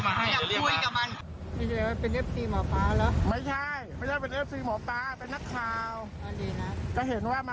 มาจากชนบุรีชนบุรีชนบุรีจะไปไหนเนี่ยอยู่ขึ้นเหนือ